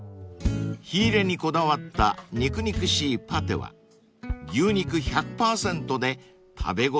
［火入れにこだわった肉々しいパテは牛肉１００％で食べ応えじゅうぶん］